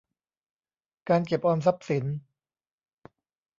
การเก็บออมทรัพย์สิน